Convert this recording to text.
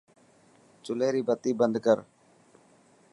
چلي ري بتي بند ڪر.